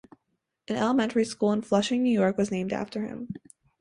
An elementary school in Flushing, New York was named after him.